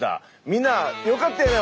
みんなよかったよね！